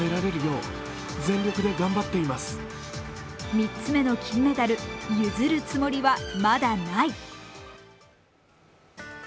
３つ目の金メダル、譲るつもりはまだない。